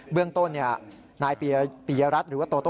เบื้องต้นนี่นายปริยรัติ์หรือว่าโตโต้